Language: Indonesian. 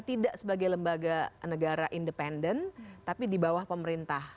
tidak sebagai lembaga negara independen tapi di bawah pemerintah